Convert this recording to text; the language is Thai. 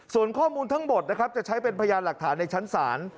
ส่วนข้อมูลทั้งหมดนะครับจะใช้เป็นพยานหลักฐานในชั้นศาล